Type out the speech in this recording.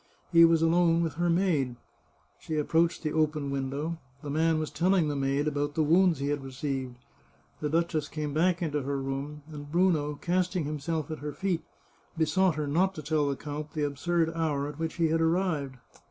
He was alone with her maid. She approached the open window ; the man was telling the maid about the wounds he had received. The duchess came back into her room, and Bruno, casting himself at her feet, besought her not to tell the count the absurd hour at which he had arrived.